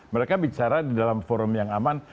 mereka bicara di dalam forum yang aman